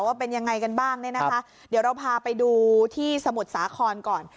ว่าเป็นยังไงกันบ้างเนี่ยนะคะเดี๋ยวเราพาไปดูที่สมุทรสาครก่อน